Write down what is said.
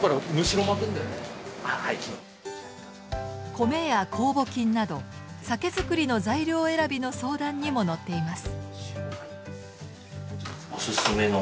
米やこうぼ菌など酒造りの材料選びの相談にも乗っています。